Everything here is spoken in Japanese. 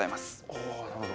ああなるほど。